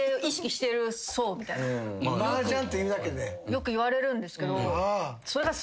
よく言われるんですけど。